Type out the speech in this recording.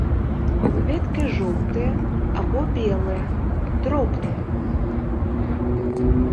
Кветкі жоўтыя або белыя, дробныя.